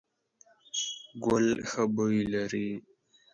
ګل ښه بوی لري ….